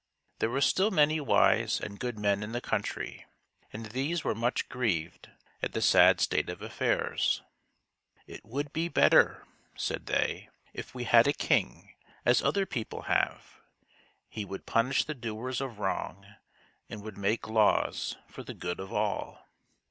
There were still many wise and good men in the country, and these were much grieved at the sad state of affairs. " It would be better," said they, " if we had a king as other people have. He would punish the doers of wrong, and would make laws for the good of all."